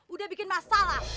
udah bikin masalah